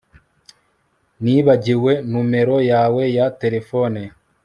Nibagiwe numero yawe ya terefone